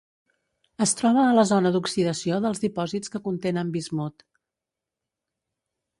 Es troba a la zona d'oxidació dels dipòsits que contenen bismut.